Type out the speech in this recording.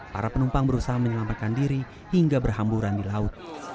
para penumpang berusaha menyelamatkan diri hingga berhamburan di laut